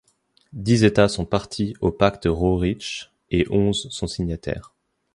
Dix États sont parties au Pacte Roerich et onze sont signataires.